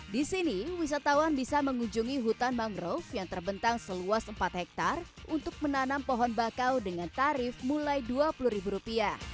di sini wisatawan bisa mengunjungi hutan mangrove yang terbentang seluas empat hektare untuk menanam pohon bakau dengan tarif mulai rp dua puluh